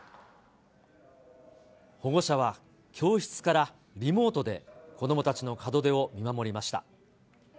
保護者は教室からリモートで、子どもたちの門出を見守りました。